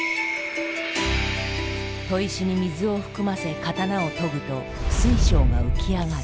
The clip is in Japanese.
砥石に水を含ませ刀を研ぐと水晶が浮き上がる。